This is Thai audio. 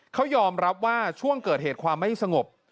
เขายอมรับว่าช่วงเกิดเหตุความไม่สงบ